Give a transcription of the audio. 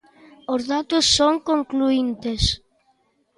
Os datos son concluíntes.